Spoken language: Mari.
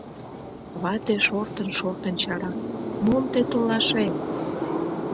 Вате шортын-шортын чара: «Мом тый толашет?